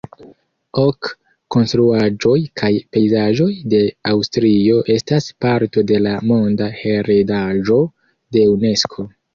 Ok konstruaĵoj kaj pejzaĝoj de Aŭstrio estas parto de la Monda heredaĵo de Unesko.